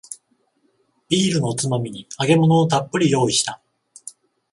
ビールのおつまみに揚げ物をたっぷり用意した